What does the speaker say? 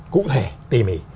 cụ thể tỉ mỉ